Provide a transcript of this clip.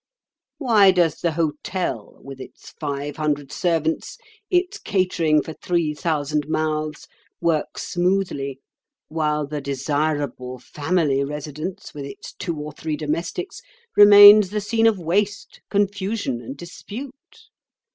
Why does the hotel, with its five hundred servants, its catering for three thousand mouths, work smoothly, while the desirable family residence, with its two or three domestics, remains the scene of waste, confusion, and dispute?